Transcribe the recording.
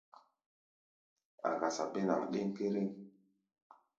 A̧ gasa bénaŋ ɗéŋkéréŋ.